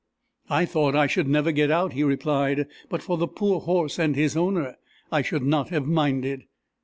"I thought I should never get out!" he replied. "But for the poor horse and his owner, I should not have minded."